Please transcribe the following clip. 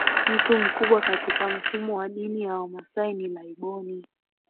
Mtu mkubwa katika mfumo wa dini ya Wamasai ni laibon